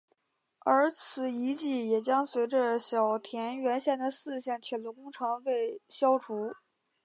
而此遗迹也将随着小田原线的四线铁路工程被消除。